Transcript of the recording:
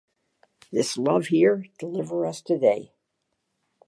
This love here deliver us today.